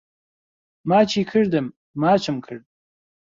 ماچی کردم ماچم کرد